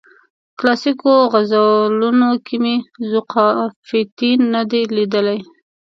کلاسیکو غزلونو کې مې ذوقافیتین نه دی لیدلی.